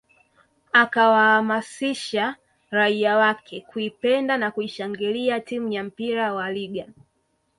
Akawaamasisha raia wake kuipenda na kuishangilia timu ya mpira wa Legger